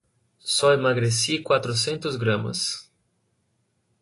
Só emagreci quatrocentos gramas.